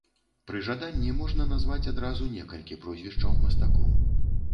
Пры жаданні можна назваць адразу некалькі прозвішчаў мастакоў.